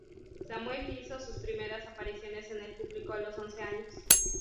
Samuel hizo sus primeras apariciones en el público a los once años.